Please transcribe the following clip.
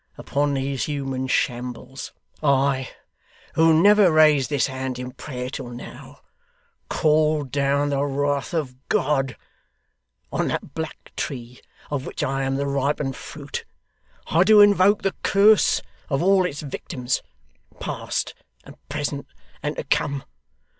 Upon these human shambles, I, who never raised this hand in prayer till now, call down the wrath of God! On that black tree, of which I am the ripened fruit, I do invoke the curse of all its victims, past, and present, and to come.